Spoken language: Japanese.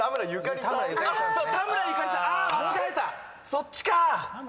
そっちか！